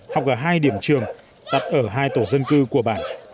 học ở hai điểm trường đặt ở hai tổ dân cư của bản